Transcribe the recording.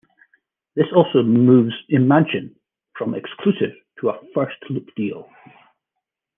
This also moves Imagine from exclusive to a first look deal.